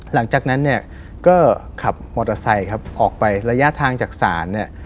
หลังจากนั้นเนี่ยก็ขับมอเตอร์ไซค์ครับออกไประยะทางจากศาลเนี่ย